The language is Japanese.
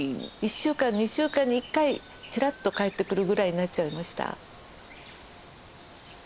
１週間２週間に１回ちらっと帰ってくるぐらいになっちゃいました。